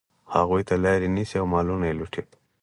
هغوی ته لاري نیسي او مالونه یې لوټي.